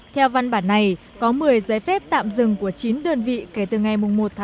theo văn bản này có một mươi giấy phép tạm dừng của chín đơn vị kể từ ngày một một mươi hai hai nghìn một mươi tám